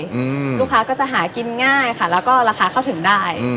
อืมลูกค้าก็จะหากินง่ายค่ะแล้วก็ราคาเข้าถึงได้อืม